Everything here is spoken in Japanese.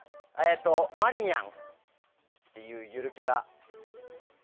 まりにゃんっていうゆるキャラ。